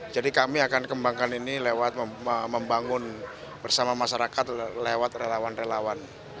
jadi kami akan kembangkan ini lewat membangun bersama masyarakat lewat relawan relawan